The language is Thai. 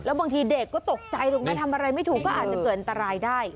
บางทีเด็กก็ตกใจถูกไหมทำอะไรไม่ถูกก็อาจจะเกิดอันตรายได้